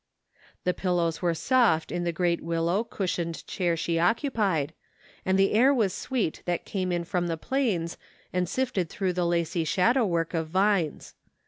The pillows were soft in the great willow, cushioned chair she occupied, and the air was sweet that came in from the plains and sifted through the lacy shadow work of vines.